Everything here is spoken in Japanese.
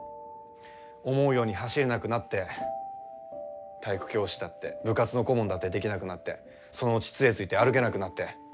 思うように走れなくなって体育教師だって部活の顧問だってできなくなってそのうち、杖ついて歩けなくなって。